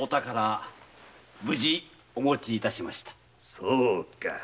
そうか。